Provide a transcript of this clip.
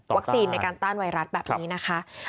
ในการต้านไวรัสแบบนี้นะคะ